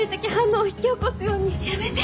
やめて！